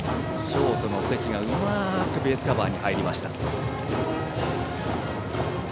ショートの関がうまくベースカバーに入りました。